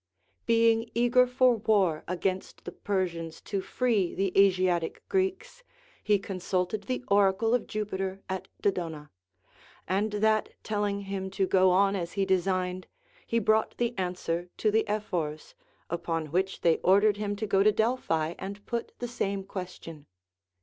Being eager for war against the Persians to free the Asiatic Greeks, he consulted the oracle of Jupiter at Do dona ; and that telling him to go on as he designed, he brought tlie answer to the Ephors, upon which they ordered him to go to Delphi and put the same question.